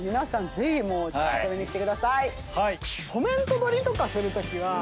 ぜひ遊びに来てください。